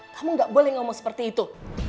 kamu gak boleh ngomong seperti itu